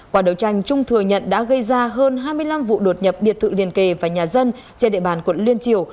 quả đấu tranh trung thừa nhận đã gây ra hơn hai mươi năm vụ đột nhập biệt thự liền kề và nhà dân trên địa bàn quận liên triều